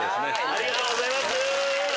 ありがとうございます。